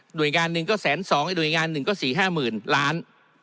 หน่วยงานหนึ่งก็๑๐๒๐๐๐หน่วยงานหนึ่งก็๔๐๐๐๐หลาน